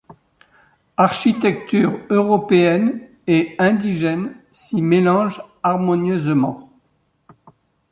Architectures européenne et indigène s’y mélangent harmonieusement.